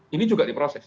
ini juga diproses